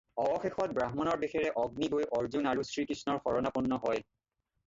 অৱশেষত ব্ৰাহ্মণৰ বেশেৰে অগ্নি গৈ অৰ্জুন আৰু শ্ৰীকৃষ্ণৰ শৰণাপন্ন হয়।